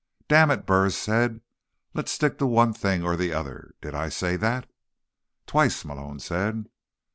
"Damn it," Burris said. "Let's stick to one thing or the other. Did I say that?" "Twice," Malone said.